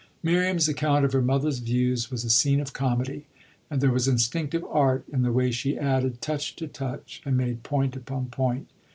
Miriam's account of her mother's views was a scene of comedy, and there was instinctive art in the way she added touch to touch and made point upon point.